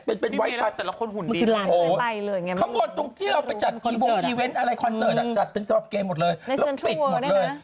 เป็นไวท์บัตรโอ้โหข้างบนตรงที่เราไปจัดอีเว้นต์อะไรคอนเสิร์ตอ่ะจัดเป็นเฉพาะเกย์หมดเลยแล้วปิดหมดเลย